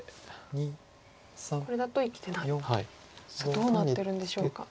どうなってるんでしょうか。